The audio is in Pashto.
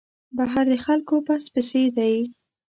بهر د خلکو پس پسي دی.